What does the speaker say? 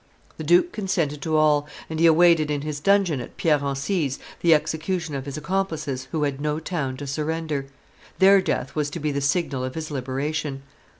The duke consented to all, and he awaited in his dungeon at Pierre Bncise the execution of his accomplices who had no town to surrender. Their death was to be the signal of his liberation.